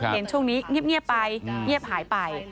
เห็นช่วงนี้เงียบไปเงียบหายไป